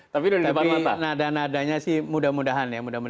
tapi nada nadanya sih mudah mudahan ya